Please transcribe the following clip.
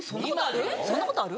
そんなことある？